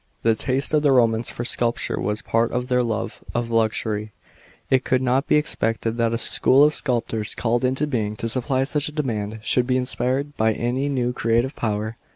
The taste of the Romans for sculpture was part of their love of luxury; and it could not be expected that a school of sculptors called into being to supply such a demand should be inspired by any new creative power.